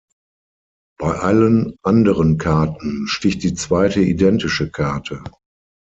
Bei allen anderen Karten sticht die zweite identische Karte.